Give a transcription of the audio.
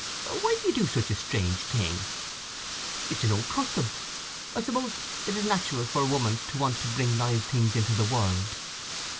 "Why do you do such a strange thing?" "It's an old custom. I suppose it is natural for a woman to want to bring live things into the world."